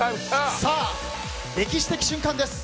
さあ歴史的瞬間です。